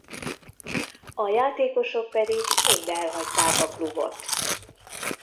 A játékosok pedig mind elhagyták a klubot.